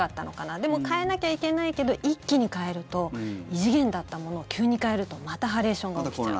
でも変えなきゃいけないけど一気に変えると異次元だったものを急に変えるとまたハレーションが起きちゃう。